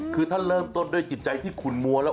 คือท่านเริ่มต้นด้วยจิตใจที่ขุนมัวแล้ว